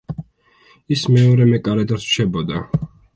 ის მეორე მეკარედ რჩებოდა.